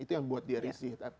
itu yang buat dia risih